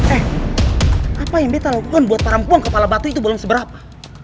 eh apa yang dia lakukan buat perempuan kepala batu itu belum seberapa